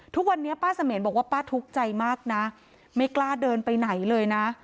ทุกวันนี้ป้าเสมียนบอกว่าป้าทุกข์ใจมากนะไม่กล้าเดินไปไหนเลยนะ